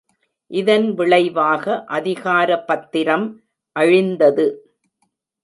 இதன் விளைவாக அதிகார பத்திரம் அழிந்தது.